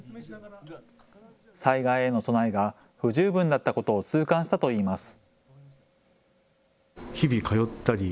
災害へ備えが不十分だったことを痛感したといいます。